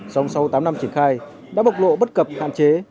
sau tám năm triển khai đã bộc lộ bất cập hạn chế